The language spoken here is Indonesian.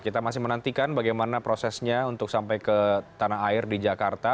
kita masih menantikan bagaimana prosesnya untuk sampai ke tanah air di jakarta